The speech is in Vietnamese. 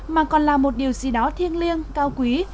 mà còn là một điều gì đó thiêng liêng cao quý